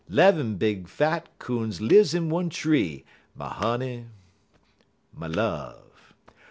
'Lev'm big fat coons lives in one tree, My honey, my love!